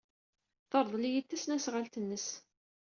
Terḍel-iyi-d tasnasɣalt-nnes.